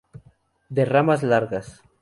De ramas largas.